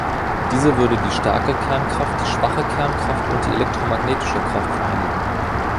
Diese würde die starke Kernkraft, die schwache Kernkraft und die elektromagnetische Kraft vereinigen.